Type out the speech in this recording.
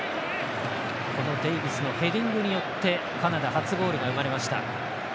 このデイビスのヘディングによってカナダ初ゴールが生まれました。